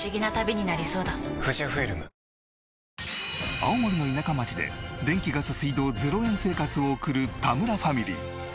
青森の田舎町で電気ガス水道０円生活を送る田村ファミリー。